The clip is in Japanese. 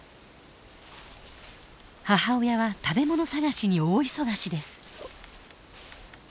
母親は食べ物探しに大忙しです。